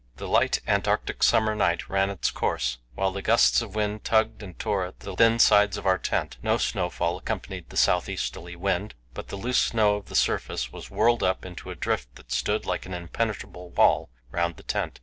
The light Antarctic summer night ran its course, while the gusts of wind tugged and tore at the thin sides of our tent; no snowfall accompanied the south easterly wind, but the loose snow of the surface was whirled up into a drift that stood like an impenetrable wall round the tent.